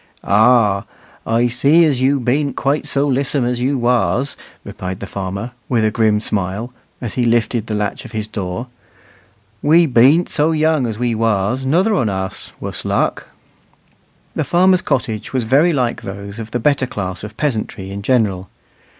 "Ah, I see as you bean't quite so lissom as you was," replied the farmer, with a grim smile, as he lifted the latch of his door; "we bean't so young as we was, nother on us, wuss luck." The farmer's cottage was very like those of the better class of peasantry in general.